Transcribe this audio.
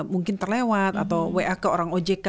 mungkin terlewat atau wa ke orang ojk